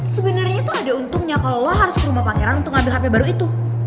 sebenarnya itu ada untungnya kalau lo harus ke rumah pangeran untuk ngambil hp baru itu